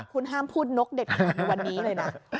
คุณห้ามพูดนกเด็ดขาดในวันนี้เลยนะ